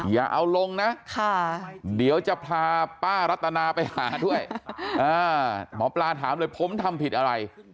อย่าเอาลงนะเดี๋ยวจะพาป้ารัตนาไปหาด้วยหมอปลาถามเลยผมทำผิดอะไร